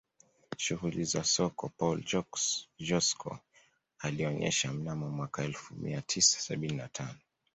Shughuli za soko Paul Joskow alionyesha mnamo mwaka elfu mia tisa sabini na tano